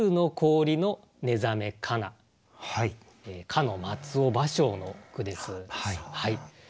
かの松尾芭蕉の句です。